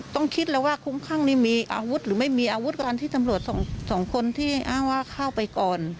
ต้องคิดแล้วว่าคุ้มข้างนี่มีอาวุธหรือไม่มีอาวุธการที่ตำรวจสองคนที่อ้างว่าเข้าไปก่อน